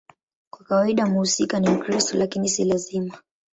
Kwa kawaida mhusika ni Mkristo, lakini si lazima.